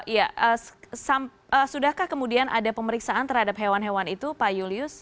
ya sudahkah kemudian ada pemeriksaan terhadap hewan hewan itu pak julius